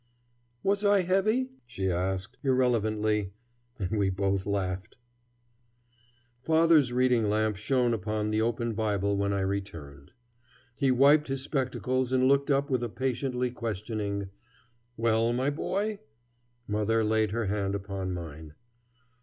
"Was I heavy?" she asked, irrelevantly, and we both laughed. Father's reading lamp shone upon the open Bible when I returned. He wiped his spectacles and looked up with a patiently questioning "Well, my boy?" Mother laid her hand upon mine.